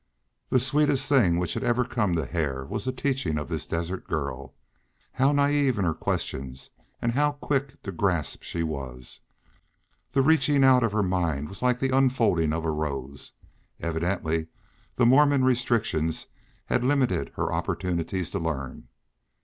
The sweetest thing which had ever come to Hare was the teaching of this desert girl. How naive in her questions and how quick to grasp she was! The reaching out of her mind was like the unfolding of a rose. Evidently the Mormon restrictions had limited her opportunities to learn.